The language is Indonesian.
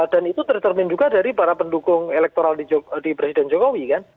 dan itu tertermin juga dari para pendukung elektoral di presiden jokowi kan